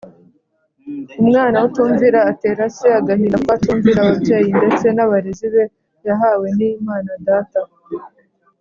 Umwana utumvira atera se agahinda kuko atumvira ababyeyi ndetse nabarezi be yahawe ni mana data.